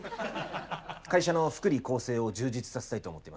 会社の福利厚生を充実させたいと思っています。